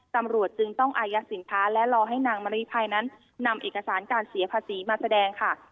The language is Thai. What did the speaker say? ตำรวจจึงต้องอายัดสินค้าและรอให้นางมริภัยนั้นนำเอกสารการเสียภาษีมาแสดงค่ะ